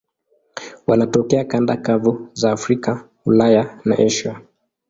Wanatokea kanda kavu za Afrika, Ulaya na Asia.